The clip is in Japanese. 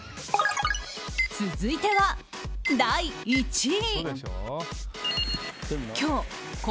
続いては第１位。